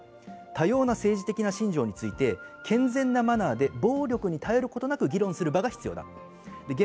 多様な政治的な信条について、健全なマナーで暴力に耐えることない議論する場が必要だと。